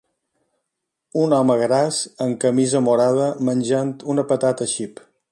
Un home gras amb camisa morada menjant una patata xip.